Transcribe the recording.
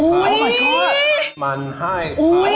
ถ้าคนที่ช่างกันไม่ต้องใช้เวลานะ